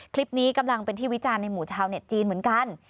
คลิปนี้กำลังเป็นที่วิจารณ์ในหมู่ชาวเน็ตจีนเหมือนกัน